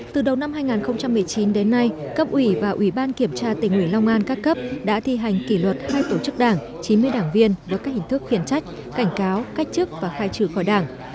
từ đầu năm hai nghìn một mươi chín đến nay cấp ủy và ủy ban kiểm tra tỉnh ủy long an các cấp đã thi hành kỷ luật hai tổ chức đảng chín mươi đảng viên với các hình thức khiển trách cảnh cáo cách chức và khai trừ khỏi đảng